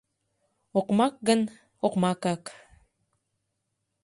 — Окмак гын — окмакак...